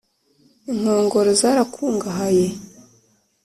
Inkongoro zarakungahaye